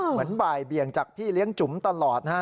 เหมือนบ่ายเบียงจากพี่เลี้ยงจุ๋มตลอดนะฮะ